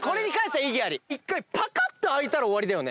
パカッて開いたら終わりだよね？